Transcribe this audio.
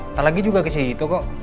ntar lagi juga kesitu kok